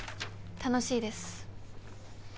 楽しいです。